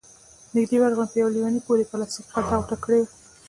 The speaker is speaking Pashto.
نږدې ورغلم، په يوه ليوني پورې يې پلاستيکي خلطه غوټه کړې وه،